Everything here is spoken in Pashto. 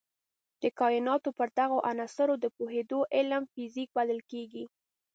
د کایناتو پر دغو عناصرو د پوهېدو علم فزیک بلل کېږي.